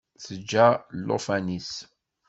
Teǧǧa llufan-ines.